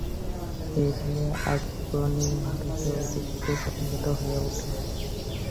শেষে আর্যগণই ভারতে অপ্রতিদ্বন্দ্বী শাসনকর্তা হইয়া উঠিলেন।